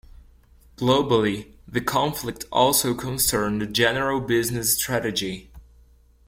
Globally, the conflict also concerned the general business strategy.